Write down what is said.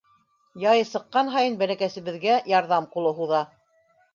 Яйы сыҡҡан һайын бәләкәсебеҙгә ярҙам ҡулы һуҙа.